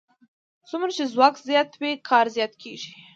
څومره چې ځواک زیات وي کار زیات کېږي.